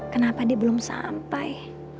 kenapa dia belum sampai